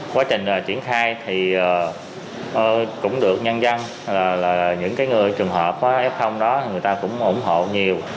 quá trình triển khai cũng được nhân dân những trường hợp f đó cũng ủng hộ nhiều